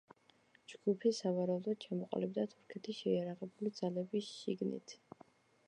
ჯგუფი, სავარაუდოდ, ჩამოყალიბდა თურქეთის შეიარაღებული ძალების შიგნით.